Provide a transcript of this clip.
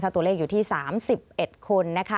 ตัวเลขอยู่ที่๓๑คน